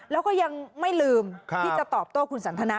แล้วก็ยังไม่ลืมที่จะตอบโต้คุณสันทนา